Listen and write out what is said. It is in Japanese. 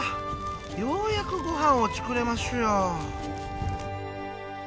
ようやくごはんを作れますよ。